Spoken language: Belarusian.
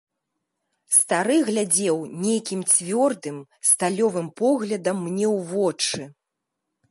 Стары глядзеў нейкім цвёрдым сталёвым поглядам мне ў вочы.